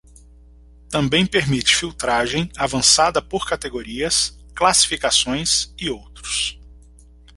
Também permite filtragem avançada por categorias, classificações e outros.